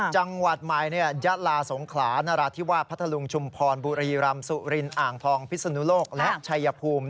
จังหวัดใหม่ยะลาสงขลานราธิวาสพัทธลุงชุมพรบุรีรำสุรินอ่างทองพิศนุโลกและชัยภูมิ